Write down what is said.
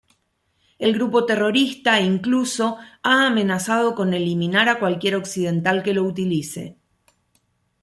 El grupo terrorista, incluso, ha amenazado con eliminar a cualquier occidental que lo utilice.